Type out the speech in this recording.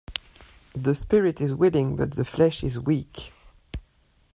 The spirit is willing but the flesh is weak.